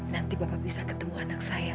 nanti bapak bisa ketemu anak saya